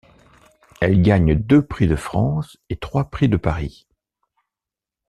Elle gagne deux Prix de France et trois Prix de Paris.